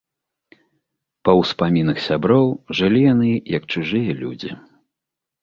Па ўспамінах сяброў, жылі яны як чужыя людзі.